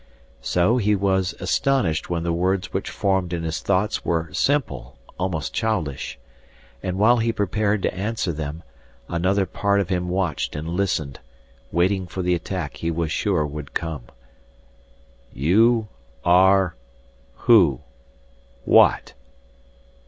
So he was astonished when the words which formed in his thoughts were simple, almost childish. And while he prepared to answer them, another part of him watched and listened, waiting for the attack he was sure would come. "You are who what?"